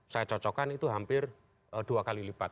saya cocokkan itu hampir dua kali lipat